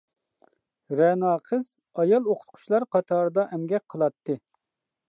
رەنا قىز-ئايال ئوقۇتقۇچىلار قاتارىدا ئەمگەك قىلاتتى.